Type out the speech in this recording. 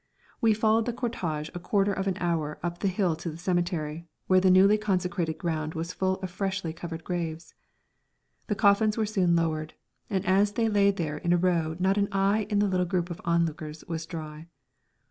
We followed the cortège a quarter of an hour up the hill to the cemetery, where the newly consecrated ground was full of freshly covered graves. The coffins were soon lowered, and as they lay there in a row not an eye of the little group of onlookers was dry.